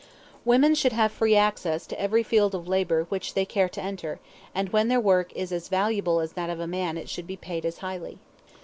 Women should have free access to every field of labor which they care to enter, and when their work is as valuable as that of a man it should be paid as highly.